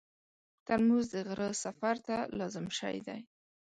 ترموز د غره سفر ته لازم شی دی.